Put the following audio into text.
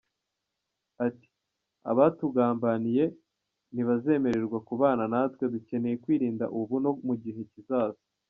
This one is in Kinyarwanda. Ati”Abatugambaniye ntibazemererwa kubana natwe dukeneye kwirinda ubu no mu gihe kizaza.